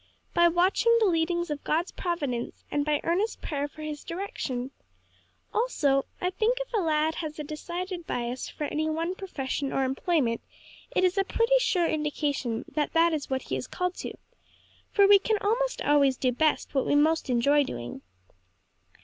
"By watching the leadings of God's providence and by earnest prayer for his direction. Also I think if a lad has a decided bias for any one profession or employment it is a pretty sure indication that that is what he is called to; for we can almost always do best what we most enjoy doing."